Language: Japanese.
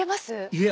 いえ